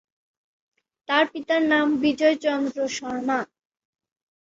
তার পিতার নাম বিজয় চন্দ্র শর্মা।